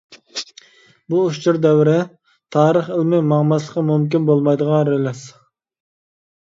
بۇ ئۇچۇر دەۋرى تارىخ ئىلمى ماڭماسلىقى مۇمكىن بولمايدىغان رېلىس.